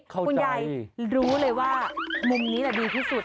เข้าใจมุมนี้แหละดีที่สุด